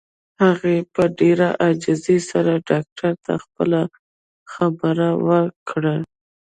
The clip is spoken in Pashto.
هغې په ډېره عاجزۍ سره ډاکټر ته خپله خبره وکړه.